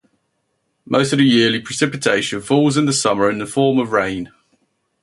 Most of the yearly precipitation falls in the summer in the form of rain.